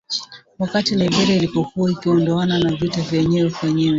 wakati Liberia ilipokuwa inaondokana na vita vya wenyewe kwa wenyewe